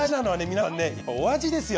皆さんねやっぱお味ですよ。